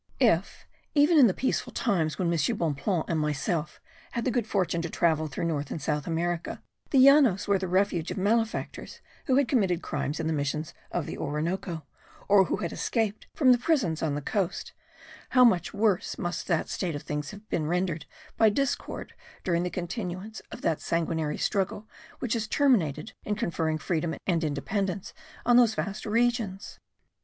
If, even in the peaceful times when M. Bonpland and myself had the good fortune to travel through North and South America, the Llanos were the refuge of malefactors who had committed crimes in the missions of the Orinoco, or who had escaped from the prisons on the coast, how much worse must that state of things have been rendered by discord during the continuance of that sanguinary struggle which has terminated in conferring freedom and independence on those vast regions!